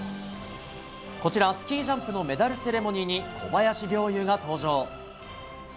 こちらスキージャンプのメダルセレモニーに小林陵侑が登場。